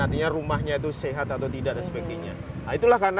artinya rumahnya itu sehat atau tidak dan sebagainya